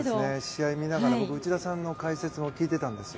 試合見ながら内田さんの解説も聞いてたんです。